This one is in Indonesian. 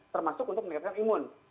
termasuk untuk meningkatkan imun